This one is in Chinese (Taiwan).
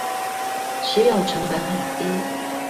持有成本很低